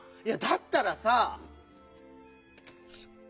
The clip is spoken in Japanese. いやだったらさ。